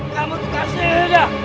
kamu tuh kasihnya